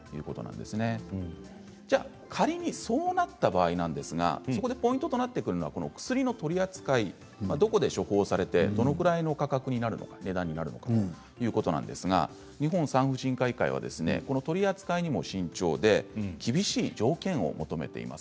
では、仮にそうなった場合なんですがそこでポイントとなってくるのが薬の取り扱いどこで処方されてどのくらいの価格になるのか値段になるのかということなんですが日本産婦人科医会は取り扱いにも慎重で厳しい条件を求めています。